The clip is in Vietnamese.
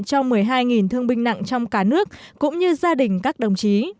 cho một mươi hai thương binh nặng trong cả nước cũng như gia đình các đồng chí